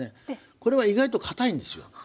これは意外とかたいんですよ。